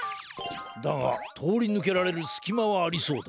だがとおりぬけられるすきまはありそうだ。